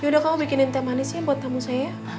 yaudah kamu bikinin teh manisnya buat tamu saya